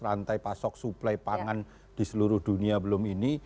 rantai pasok suplai pangan di seluruh dunia belum ini